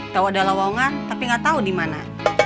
tahu ada lawangan tapi nggak tahu di mana